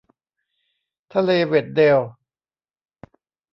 ทะเลเวดเดล